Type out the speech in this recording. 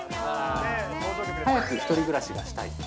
早く１人暮らしがしたい。